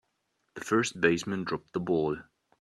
The first baseman dropped the ball.